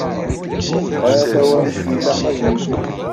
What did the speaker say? Hata wamek i ilaq ad yili.